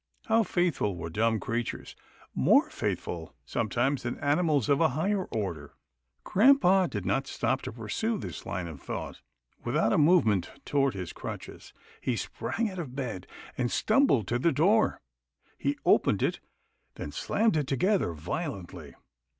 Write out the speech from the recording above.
How faithful were dumb crea tures — more faithful sometimes than animals of a higher order. Grampa did not stop to pursue this line of thought. Without a movement toward his crutches, he sprang out of bed and stumbled to the door. He opened it, then slammed it together violently.